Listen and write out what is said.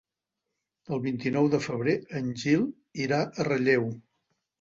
El vint-i-nou de febrer en Gil irà a Relleu.